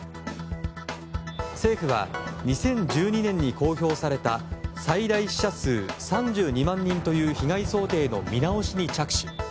政府は２０１２年に公表された最大死者数３２万人という被害想定の見直しに着手。